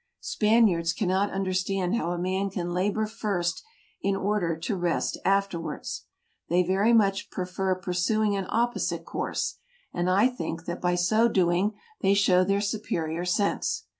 Spaniards cannot understand how a man can labor first in order to rest afterwards. They very much prefer pursuing an opposite course, and I think that by so doing, they show their superior sense.